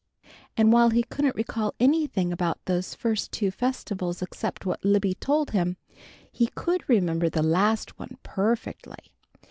And while he couldn't recall anything about those first two festivals except what Libby told him, he could remember the last one perfectly.